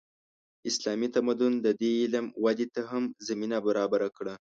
اسلامي تمدن د دې علم ودې ته هم زمینه برابره کړه.